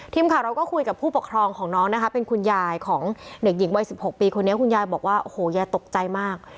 ทีมข่าวเราก็คุยกับผู้ปกครองของน้องนะคะเป็นคุณยายของเด็กหญิงวัย๑๖ปีคนนี้คุณยายบอกว่าโอ้โหยายตกใจมาก